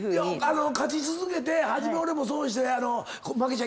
勝ち続けて初め俺もそうして負けちゃいけない。